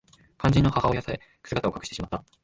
肝心の母親さえ姿を隠してしまった